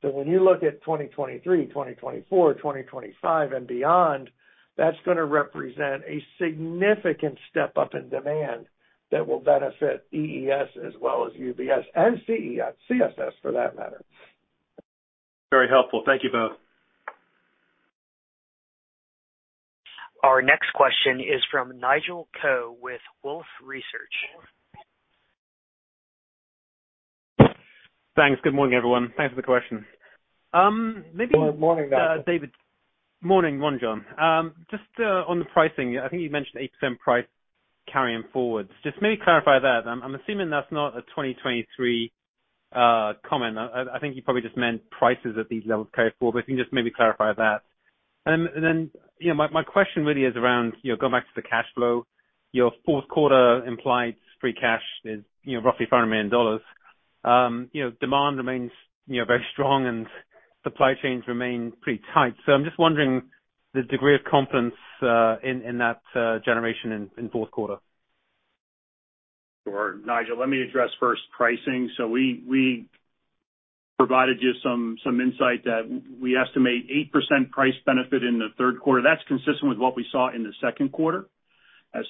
When you look at 2023, 2024, 2025 and beyond, that's gonna represent a significant step up in demand that will benefit EES as well as UBS and CSS for that matter. Very helpful. Thank you both. Our next question is from Nigel Coe with Wolfe Research. Thanks. Good morning, everyone. Thanks for the question. Good morning, Nigel. David. Morning. Morning, John. Just on the pricing, I think you mentioned 8% price carrying forward. Just maybe clarify that. I'm assuming that's not a 2023 comment. I think you probably just meant prices at these levels carry forward, but if you can just maybe clarify that. Then, you know, my question really is around, you know, going back to the cash flow. Your fourth quarter implied free cash is roughly $500 million. Demand remains very strong and supply chains remain pretty tight. I'm just wondering the degree of confidence in that generation in fourth quarter. Sure. Nigel, let me address first pricing. We provided you some insight that we estimate 8% price benefit in the third quarter. That's consistent with what we saw in the second quarter.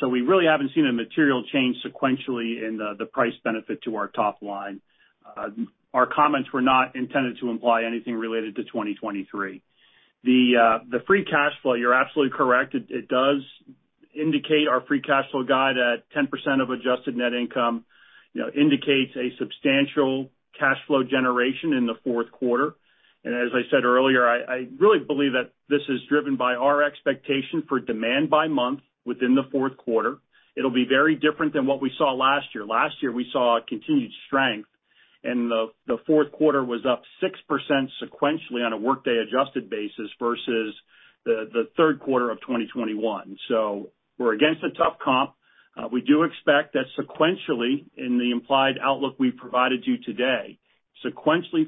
We really haven't seen a material change sequentially in the price benefit to our top line. Our comments were not intended to imply anything related to 2023. The free cash flow, you're absolutely correct. It does indicate our free cash flow guide at 10% of adjusted net income, you know, indicates a substantial cash flow generation in the fourth quarter. As I said earlier, I really believe that this is driven by our expectation for demand by month within the fourth quarter. It'll be very different than what we saw last year. Last year, we saw a continued strength, and the fourth quarter was up 6% sequentially on a workday adjusted basis versus the third quarter of 2021. We're against a tough comp. We do expect that sequentially, in the implied outlook we provided you today,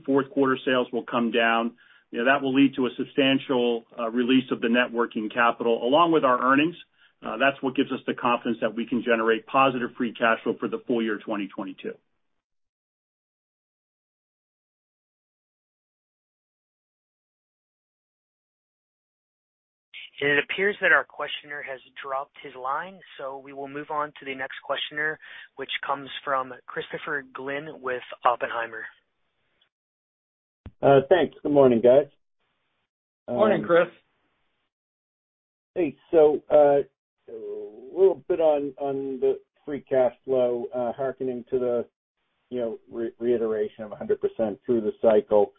fourth quarter sales will come down. You know, that will lead to a substantial release of the working capital along with our earnings. That's what gives us the confidence that we can generate positive free cash flow for the full year 2022. It appears that our questioner has dropped his line, so we will move on to the next questioner, which comes from Christopher Glynn with Oppenheimer. Thanks. Good morning, guys. Morning, Chris. Hey. A little bit on the free cash flow, harkening to the, you know, reiteration of 100% through the cycle.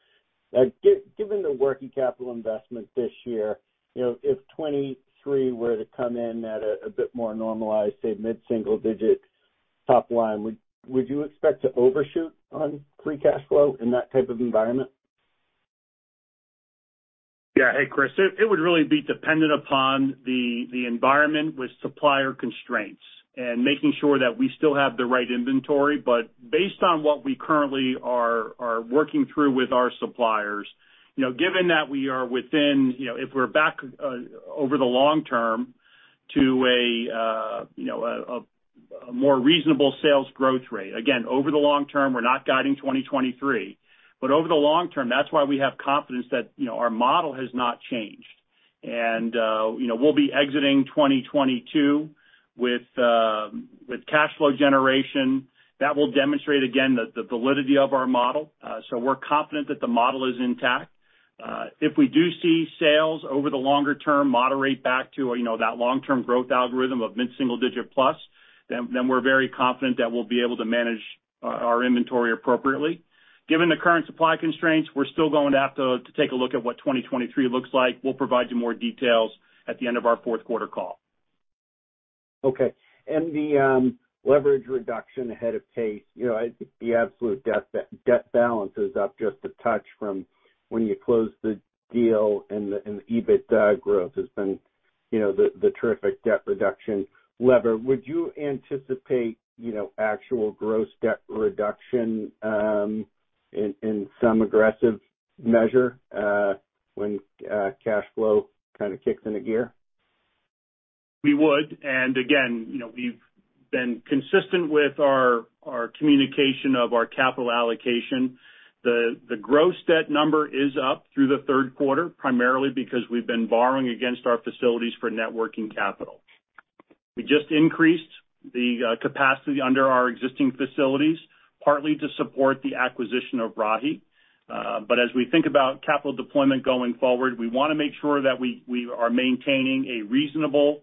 Given the working capital investment this year, you know, if 2023 were to come in at a bit more normalized, say mid-single-digit top line, would you expect to overshoot on free cash flow in that type of environment? Yeah. Hey, Christopher. It would really be dependent upon the environment with supplier constraints and making sure that we still have the right inventory. Based on what we currently are working through with our suppliers, you know, given that we are within, you know, if we're back over the long term to a more reasonable sales growth rate. Again, over the long term, we're not guiding 2023, but over the long term, that's why we have confidence that, you know, our model has not changed. We'll be exiting 2022 with cash flow generation that will demonstrate again the validity of our model. We're confident that the model is intact. If we do see sales over the longer term moderate back to, you know, that long-term growth algorithm of mid-single digit plus, then we're very confident that we'll be able to manage our inventory appropriately. Given the current supply constraints, we're still going to have to take a look at what 2023 looks like. We'll provide you more details at the end of our fourth quarter call. Okay. The leverage reduction ahead of pace, you know, I think the absolute debt balance is up just a touch from when you closed the deal and the EBITDA growth has been, you know, the terrific debt reduction lever. Would you anticipate, you know, actual gross debt reduction in some aggressive measure when cash flow kind of kicks into gear? We would. Again, you know, we've been consistent with our communication of our capital allocation. The gross debt number is up through the third quarter, primarily because we've been borrowing against our facilities for working capital. We just increased the capacity under our existing facilities, partly to support the acquisition of Rahi Systems. As we think about capital deployment going forward, we wanna make sure that we are maintaining a reasonable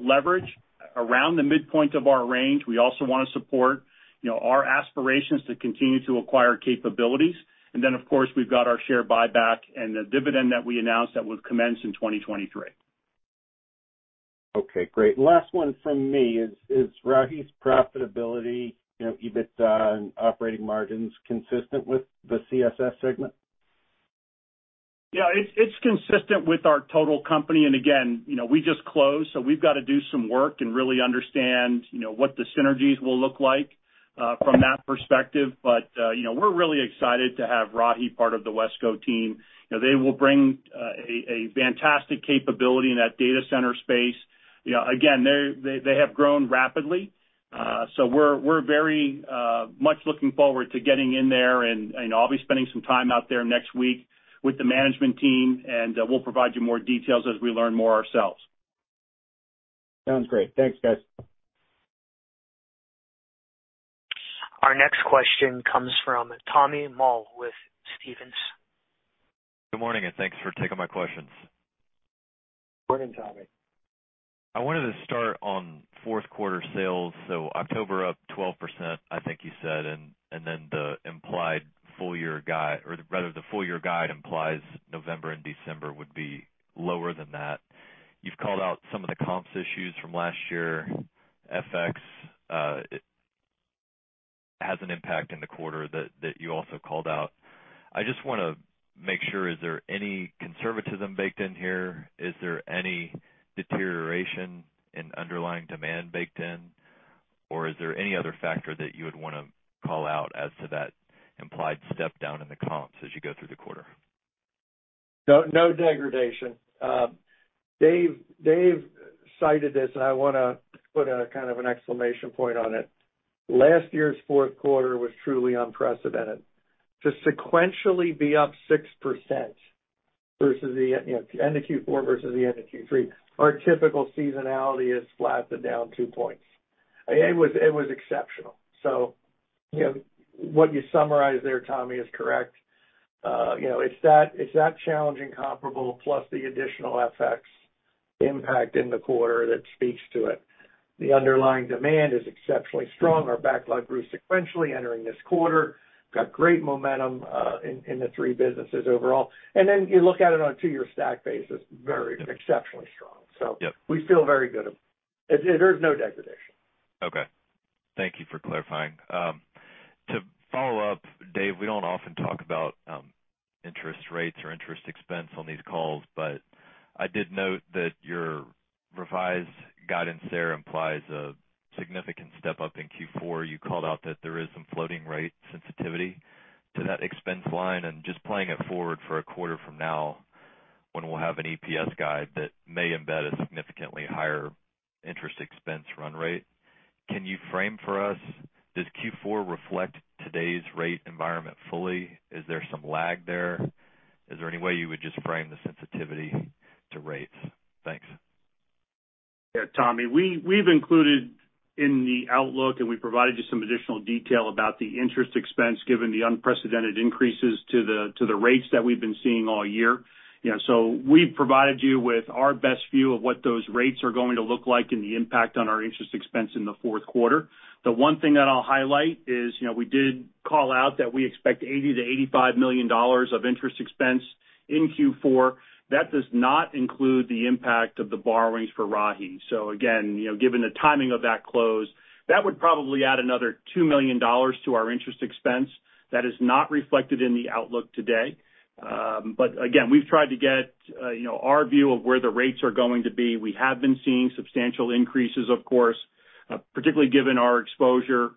leverage around the midpoint of our range. We also wanna support, you know, our aspirations to continue to acquire capabilities. Then, of course, we've got our share buyback and the dividend that we announced that would commence in 2023. Okay, great. Last one from me. Is Rahi's profitability, you know, EBITDA and operating margins consistent with the CSS segment? Yeah, it's consistent with our total company. Again, you know, we just closed, so we've got to do some work and really understand, you know, what the synergies will look like from that perspective. You know, we're really excited to have Rahi part of the WESCO team. You know, they will bring a fantastic capability in that data center space. You know, again, they have grown rapidly. So we're very much looking forward to getting in there and I'll be spending some time out there next week with the management team, and we'll provide you more details as we learn more ourselves. Sounds great. Thanks, guys. Our next question comes from Thomas Moll with Stephens. Good morning, and thanks for taking my questions. Morning, Tommy. I wanted to start on fourth quarter sales. October up 12%, I think you said, and then the implied full year guide or rather the full year guide implies November and December would be lower than that. You've called out some of the comps issues from last year. FX has an impact in the quarter that you also called out. I just wanna make sure, is there any conservatism baked in here? Is there any deterioration in underlying demand baked in? Or is there any other factor that you would wanna call out as to that implied step down in the comps as you go through the quarter? No, no degradation. Dave cited this, and I wanna put a kind of an exclamation point on it. Last year's fourth quarter was truly unprecedented. To sequentially be up 6% versus the end, you know, end of Q4 versus the end of Q3, our typical seasonality is flat to down two points. It was exceptional. You know, what you summarized there, Tommy, is correct. You know, it's that challenging comparable plus the additional FX impact in the quarter that speaks to it. The underlying demand is exceptionally strong. Our backlog grew sequentially entering this quarter, got great momentum in the three businesses overall. You look at it on a two-year stack base, it's very exceptionally strong. Yeah. We feel very good. It, there's no degradation. Okay. Thank you for clarifying. To follow up, Dave, we don't often talk about interest rates or interest expense on these calls, but I did note that your revised guidance there implies a significant step-up in Q4. You called out that there is some floating rate sensitivity to that expense line and just playing it forward for a quarter from now when we'll have an EPS guide that may embed a significantly higher interest expense run rate. Can you frame for us does Q4 reflect today's rate environment fully? Is there some lag there? Is there any way you would just frame the sensitivity to rates? Thanks. Yeah, Tommy, we've included in the outlook, and we provided you some additional detail about the interest expense given the unprecedented increases to the rates that we've been seeing all year. You know, we've provided you with our best view of what those rates are going to look like and the impact on our interest expense in the fourth quarter. The one thing that I'll highlight is, you know, we did call out that we expect $80 million-$85 million of interest expense in Q4. That does not include the impact of the borrowings for Rahi. Again, you know, given the timing of that close, that would probably add another $2 million to our interest expense. That is not reflected in the outlook today. Again, we've tried to get you know our view of where the rates are going to be. We have been seeing substantial increases, of course, particularly given our exposure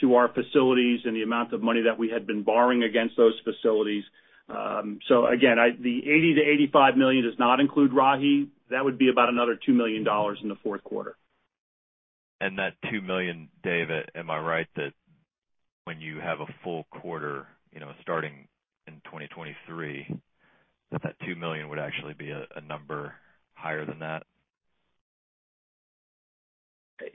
to our facilities and the amount of money that we had been borrowing against those facilities. Again, the $80 million-$85 million does not include Rahi. That would be about another $2 million in the fourth quarter. That $2 million, Dave, am I right that when you have a full quarter, you know, starting in 2023, that $2 million would actually be a number higher than that?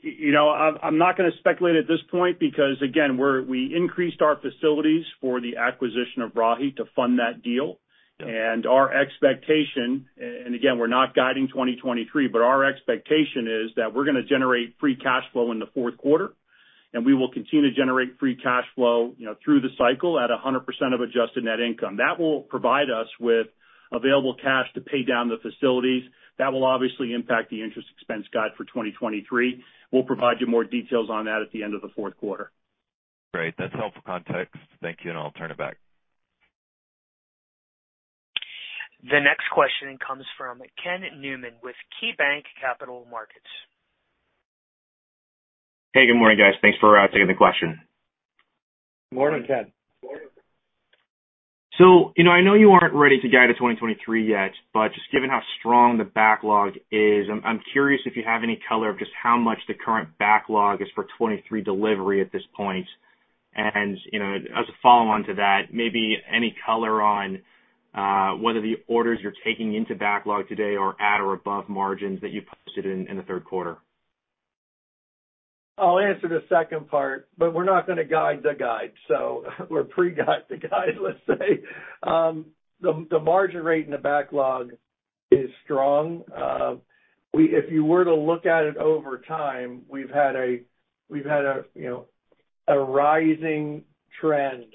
You know, I'm not gonna speculate at this point because, again, we increased our facilities for the acquisition of Rahi to fund that deal. Our expectation, and again, we're not guiding 2023, but our expectation is that we're gonna generate free cash flow in the fourth quarter, and we will continue to generate free cash flow, you know, through the cycle at 100% of adjusted net income. That will provide us with available cash to pay down the facilities. That will obviously impact the interest expense guide for 2023. We'll provide you more details on that at the end of the fourth quarter. Great. That's helpful context. Thank you, and I'll turn it back. The next question comes from Ken Newman with KeyBanc Capital Markets. Hey, good morning, guys. Thanks for taking the question. Morning, Ken. You know, I know you aren't ready to guide to 2023 yet, but just given how strong the backlog is, I'm curious if you have any color of just how much the current backlog is for 2023 delivery at this point. You know, as a follow-on to that, maybe any color on whether the orders you're taking into backlog today are at or above margins that you posted in the third quarter. I'll answer the second part, but we're not gonna guide the guide. We're pre-guide the guide, let's say. The margin rate in the backlog is strong. If you were to look at it over time, we've had a, you know, a rising trend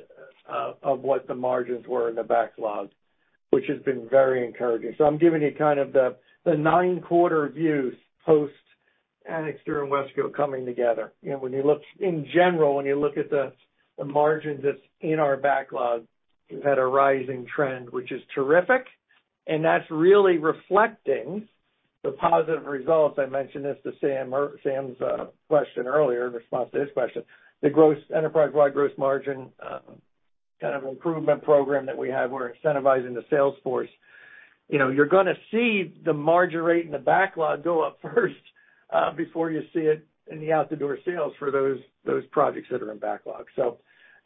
of what the margins were in the backlog, which has been very encouraging. I'm giving you kind of the nine-quarter views post Anixter, era, and WESCO coming together. You know, when you look in general, when you look at the margins that's in our backlog, we've had a rising trend, which is terrific, and that's really reflecting the positive results. I mentioned this to Sam's question earlier in response to his question. The enterprise-wide gross margin kind of improvement program that we have, we're incentivizing the sales force. You know, you're gonna see the margin rate and the backlog go up first before you see it in the out-the-door sales for those projects that are in backlog.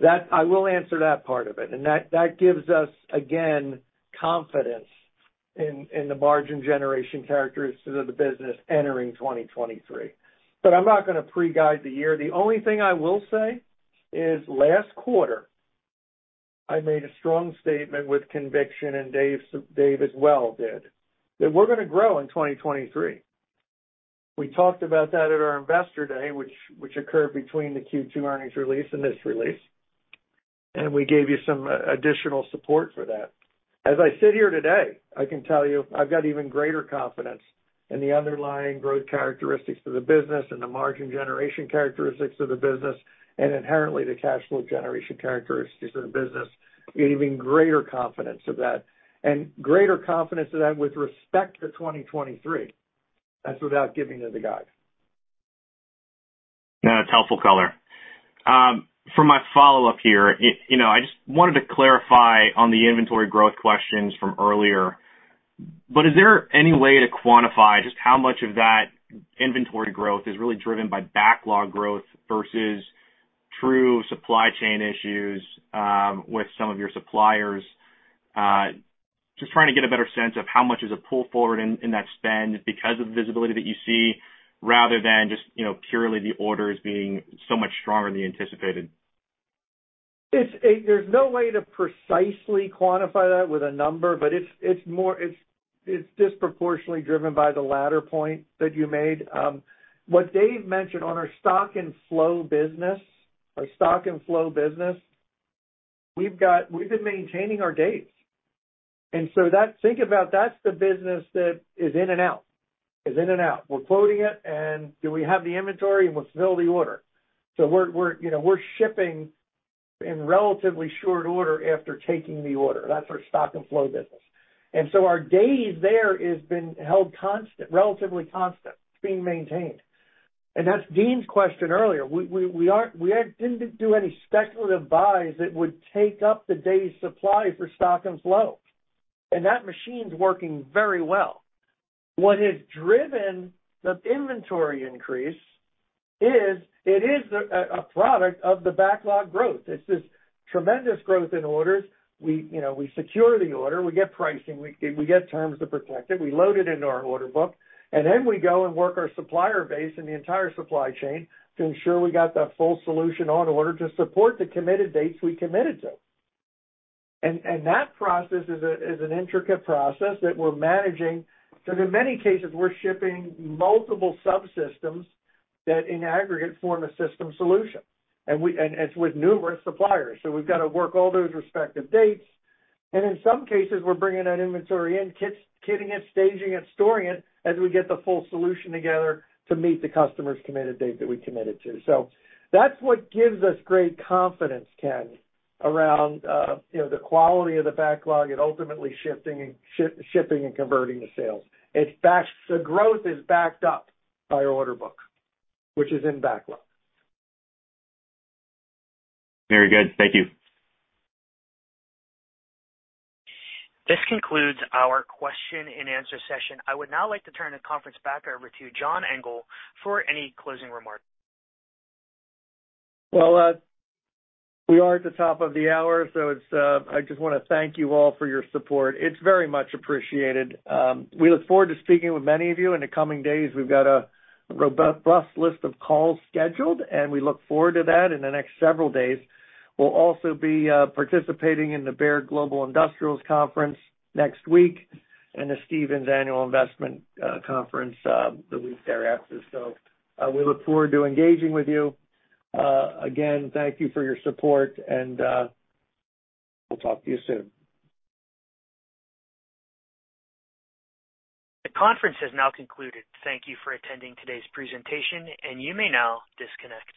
That I will answer that part of it. That gives us, again, confidence in the margin generation characteristics of the business entering 2023. I'm not gonna pre-guide the year. The only thing I will say is last quarter, I made a strong statement with conviction, and Dave as well did, that we're gonna grow in 2023. We talked about that at our Investor Day, which occurred between the Q2 earnings release and this release. We gave you some additional support for that. As I sit here today, I can tell you I've got even greater confidence in the underlying growth characteristics of the business and the margin generation characteristics of the business and inherently the cash flow generation characteristics of the business, even greater confidence of that. Greater confidence of that with respect to 2023. That's without giving you the guide. No, that's helpful color. For my follow-up here, you know, I just wanted to clarify on the inventory growth questions from earlier. Is there any way to quantify just how much of that inventory growth is really driven by backlog growth versus true supply chain issues with some of your suppliers? Just trying to get a better sense of how much is a pull forward in that spend because of the visibility that you see, rather than just, you know, purely the orders being so much stronger than you anticipated. There's no way to precisely quantify that with a number, but it's more disproportionately driven by the latter point that you made. What Dave mentioned on our stock and flow business, our stock and flow business, we've been maintaining our dates. Think about that's the business that is in and out. We're quoting it, and do we have the inventory? We'll fill the order. We're, you know, shipping in relatively short order after taking the order. That's our stock and flow business. Our days there has been held constant, relatively constant. It's being maintained. That's Deane's question earlier. We didn't do any speculative buys that would take up the day's supply for stock and flow. That machine's working very well. What has driven the inventory increase is it is a product of the backlog growth. It's this tremendous growth in orders. We, you know, we secure the order, we get pricing, we get terms to protect it, we load it into our order book, and then we go and work our supplier base and the entire supply chain to ensure we got the full solution on order to support the committed dates we committed to. That process is an intricate process that we're managing because in many cases, we're shipping multiple subsystems that in aggregate form a system solution. It's with numerous suppliers. We've got to work all those respective dates. In some cases, we're bringing that inventory in, kitting it, staging it, storing it as we get the full solution together to meet the customer's committed date that we committed to. That's what gives us great confidence, Ken, around, you know, the quality of the backlog and ultimately shipping and converting the sales. The growth is backed up by our order book, which is in backlog. Very good. Thank you. This concludes our question and answer session. I would now like to turn the conference back over to John Engel for any closing remarks. Well, we are at the top of the hour, so it's I just wanna thank you all for your support. It's very much appreciated. We look forward to speaking with many of you in the coming days. We've got a robust list of calls scheduled, and we look forward to that in the next several days. We'll also be participating in the Baird Global Industrial Conference next week and the Stephens Annual Investment Conference the week thereafter. We look forward to engaging with you. Again, thank you for your support, and we'll talk to you soon. The conference has now concluded. Thank you for attending today's presentation, and you may now disconnect.